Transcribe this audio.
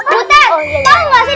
butet tau nggak sih